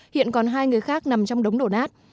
hiện còn hai người khác nằm trong đống đổ nát